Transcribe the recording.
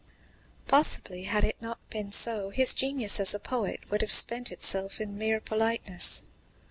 Possibly, had it not been so, his genius as a poet would have spent itself in mere politeness.